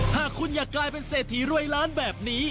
หากคุณอยากกลายเป็นเศรษฐีรวยล้านแบบนี้